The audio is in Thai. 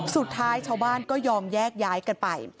สุดท้ายชาวบ้านก็ยอมแยกย้ายกันไป